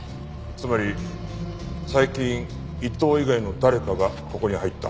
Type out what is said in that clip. つまり最近伊藤以外の誰かがここに入った。